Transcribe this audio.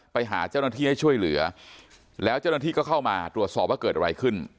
ไปหาเจ้าหน้าที่ให้ช่วยเหลือแล้วเจ้าหน้าที่ก็เข้ามาตรวจสอบว่าเกิดอะไรขึ้น